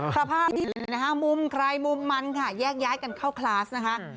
สภาพที่มุมใครมุมมันค่ะแยกย้ายกันเข้าคลาสนะครับ